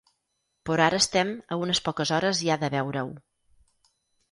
Però ara estem a una poques hores ja de veure-ho.